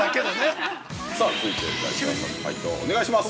◆さあ、続いて伊沢さんの解答お願いします。